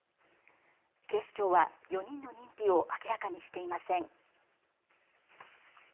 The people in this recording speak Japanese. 警視庁は４人の認否を明らかにしていません。